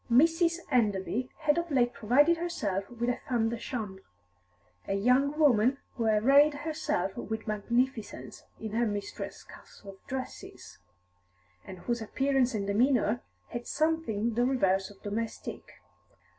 Mrs. Enderby had of late provided herself with a femme de chambre, a young woman who arrayed herself with magnificence in her mistresses castoff dresses, and whose appearance and demeanour had something the reverse of domestic.